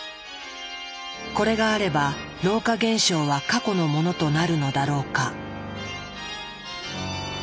これがあれば老化現象は過去のものとなるのだろうか？